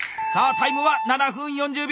タイムは７分４０秒。